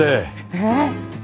えっ？